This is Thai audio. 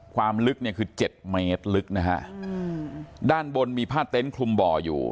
ความลึกคือ๗เมตรลึกด้านบนมีผ้าเต้นคลุมบ่ออยู่